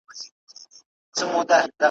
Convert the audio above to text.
چي مي خولې ته د قاتل وم رسېدلی ,